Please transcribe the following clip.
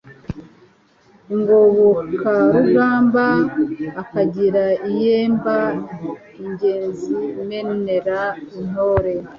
Ingobokarugamba akagira iyeMba ingenzi menera intore